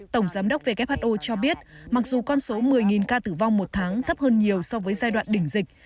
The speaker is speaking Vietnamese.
tổng giám đốc who cho biết mặc dù con số một mươi ca tử vong một tháng thấp hơn nhiều so với giai đoạn đỉnh dịch